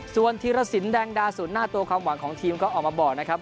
ส่วนธีรสินแดงดาศูนย์หน้าตัวความหวังของทีมก็ออกมาบอกนะครับ